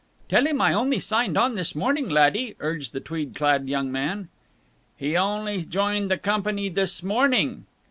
"Tell him I only signed on this morning, laddie," urged the tweed clad young man. "He only joined the company this morning!"